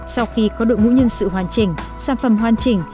sau khi có đội ngũ nhân sự hoàn chỉnh sản phẩm hoàn chỉnh